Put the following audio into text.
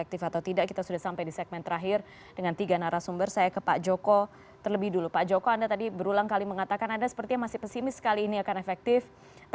tetap di cnn indonesia newscast